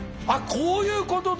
こういうことで。